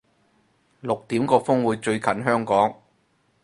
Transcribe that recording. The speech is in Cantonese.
六點個風會最近香港